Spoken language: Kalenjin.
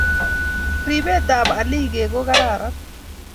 Ribet ab alikek ko kararan